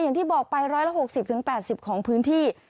อย่างที่บอกไป๑๖๐๘๐ของพื้นที่